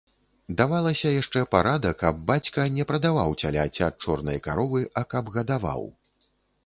Давалася яшчэ парада, каб бацька не прадаваў цяляці ад чорнай каровы, а каб гадаваў.